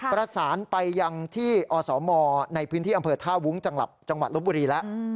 ประสานไปยังที่อสมในพื้นที่อำเภอท่าวุ้งจังหวัดลบบุรีแล้ว